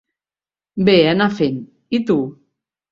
Bé, anar fent. I tu?